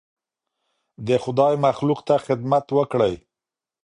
د خدای مخلوق ته خدمت وکړئ.